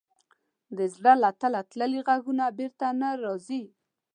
د زړه تل ته تللي ږغونه بېرته نه راځي.